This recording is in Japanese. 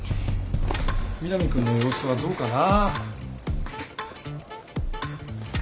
南君の様子はどうかな？